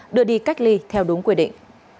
đưa đi cách ly theo đúng quy định